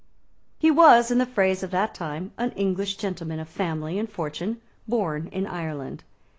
He was, in the phrase of that time, an English gentleman of family and fortune born in Ireland.